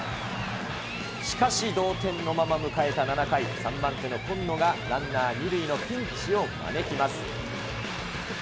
しかし、同点のまま迎えた７回、３番手の今野が、ランナー２塁のピンチを招きます。